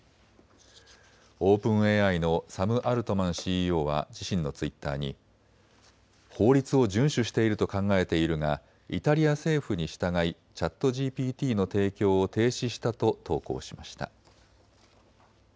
オープンＡＩのサム・アルトマンＣＥＯは自身のツイッターに法律を順守していると考えているがイタリア政府に従いＣｈａｔＧＰＴの提供を停止したと投稿しました。